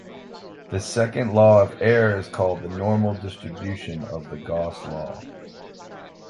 The second law of error is called the normal distribution or the Gauss law.